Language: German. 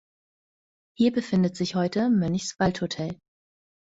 Hier befindet sich heute "Mönchs Waldhotel".